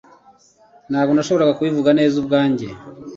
Ntabwo nashoboraga kubivuga neza ubwanjye